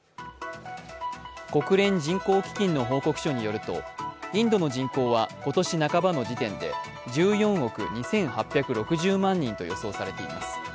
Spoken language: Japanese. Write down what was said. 国連人口基金の報告書によるとインドの人口は今年半ばの時点で１４億２８６０万人と予想されています。